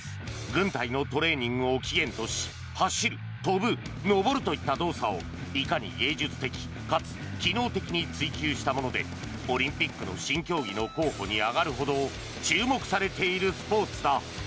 軍隊のトレーニングを起源とし走る、飛ぶ、登るといった動作をいかに芸術的かつ機能的に追及したものでオリンピックの新競技の候補に挙がるほど注目されているスポーツだ。